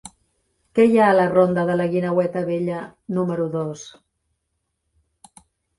Què hi ha a la ronda de la Guineueta Vella número dos?